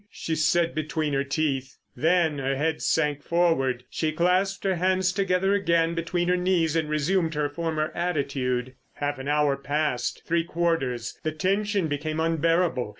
she said between her teeth. Then her head sank forward; she clasped her hands together again between her knees and resumed her former attitude. Half an hour passed; three quarters. The tension became unbearable.